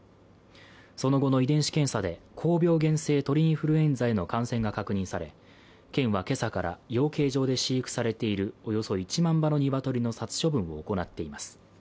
その後の遺伝子検査で高病原性鳥インフルエンザへの感染が確認され県は今朝から養鶏場で飼育されている、およそ１万羽の鶏の殺処分を行っています。